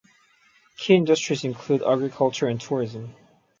Key industries include agriculture and tourism.